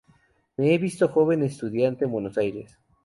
Me he visto joven estudiante en Buenos Aires.